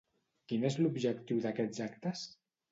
Quin és l'objectiu d'aquests actes?